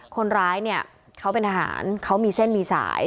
คนร้ายเนี่ยเขาเป็นทหารเขามีเส้นมีสาย